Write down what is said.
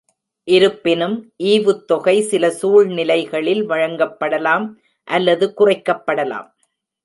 இருப்பினும், ஈவுத்தொகை சில சூழ்நிலைகளில் வழங்கப்படலாம் அல்லது குறைக்கப்படலாம்.